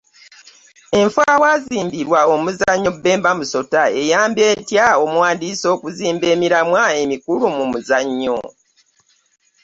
Enfo awazannyirwa omuzannyo Bemba Musota eyambye etya omuwandiisi okuzimba emiramwa emikulu mu muzannyo?